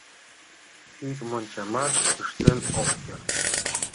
Ик мончамат ыштен от керт.